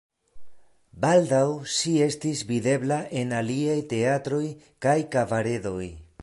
Baldaŭ ŝi estis videbla en aliaj teatroj kaj kabaredoj.